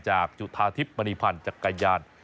จากจุฐทธิพย์มานีพันธ์จักขยาน